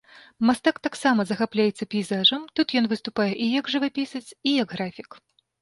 Мастак таксама захапляецца пейзажам, тут ён выступае і як жывапісец і як графік.